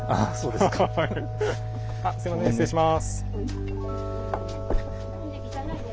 すいません失礼します。